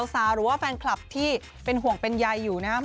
สาวหรือว่าแฟนคลับที่เป็นห่วงเป็นใยอยู่นะครับ